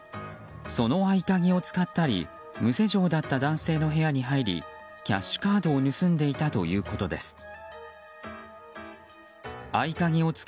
その合鍵を使ったり無施錠だった男性の部屋に入りキャッシュカードを盗んでいたということです。